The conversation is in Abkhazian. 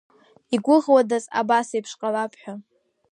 Игәыӷуадаз абасеиԥш ҟалап ҳәа.